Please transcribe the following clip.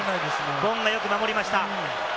ボンガ、よく守りました。